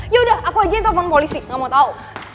yaudah aku aja yang telepon polisi gak mau tau